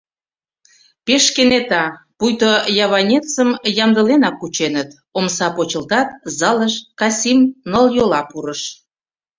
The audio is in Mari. Пеш кенета — пуйто яванецым ямдыленак кученыт — омса почылтат, залыш Касим нылйола пурыш.